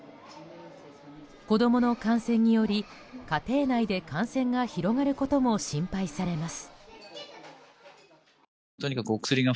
子供の感染により家庭内で感染が広がることも心配されます。